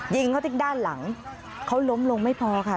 ยิงเขาที่ด้านหลังเขาล้มลงไม่พอค่ะ